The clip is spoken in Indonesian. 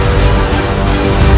kau tak bisa menyembuhkan